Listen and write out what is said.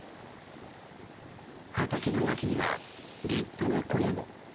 畑の脇には立派な小屋も。